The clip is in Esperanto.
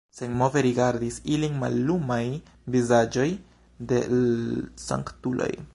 Senmove rigardis ilin mallumaj vizaĝoj de l' sanktuloj.